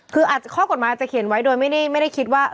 คือข้อกฎหมายอาจจะเขียนไว้โดยไม่ได้คิดว่า